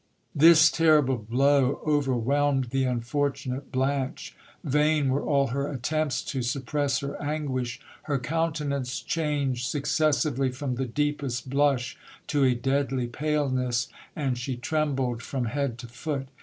This terrible blow overwhelmed the un fortunate Blanche. Vain were all her attempts to suppress her anguish ; her countenance changed successively from the deepest blush to a deadly paleness, and she trembled from head to foot.